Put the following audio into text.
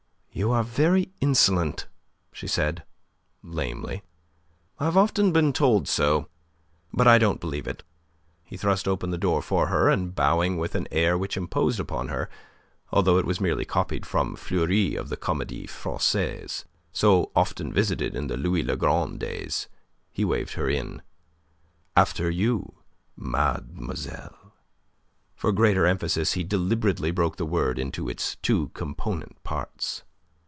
"You are very insolent," she said, lamely. "I've often been told so. But I don't believe it." He thrust open the door for her, and bowing with an air which imposed upon her, although it was merely copied from Fleury of the Comedie Francaise, so often visited in the Louis le Grand days, he waved her in. "After you, ma demoiselle." For greater emphasis he deliberately broke the word into its two component parts.